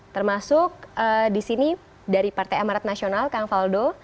termasuk di sini dari partai amarat nasional kang faldo